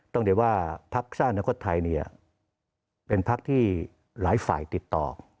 ต้องได้ว่าพระศาสนะคตใทเป็นพรรคที่หลายฝ่ายติดต่อ